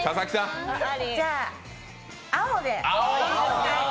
じゃあ、青で。